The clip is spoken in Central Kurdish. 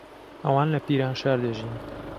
ئەوان لە پیرانشار دەژین.